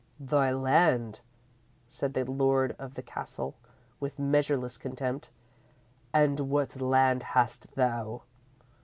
"_ _"Thy land," said the Lord of the Castle, with measureless contempt, "and what land hast thou?